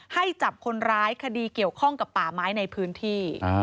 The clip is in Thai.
ให้จับคนร้ายคดีเกี่ยวข้องกับป่าไม้ในพื้นที่